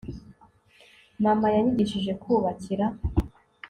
mama yanyigishije kubakira